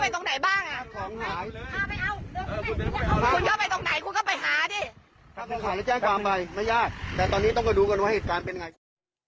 ถ้าคุณขายแล้วแจ้งความใบไม่ยากแต่ตอนนี้ต้องก็ดูกันว่าเหตุการณ์เป็นไง